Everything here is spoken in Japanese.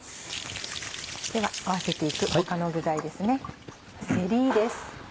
では合わせていく他の具材ですね。